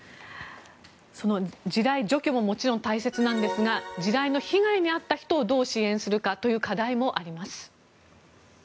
地雷除去ももちろん大切なんですが地雷の被害に遭った人をどう支援するかという課題もあります。